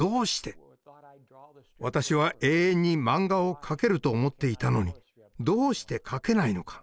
私は永遠にマンガを描けると思っていたのにどうして描けないのか？